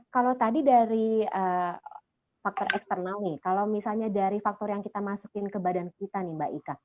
kalau tadi dari faktor eksternal nih kalau misalnya dari faktor yang kita masukin ke badan kita nih mbak ika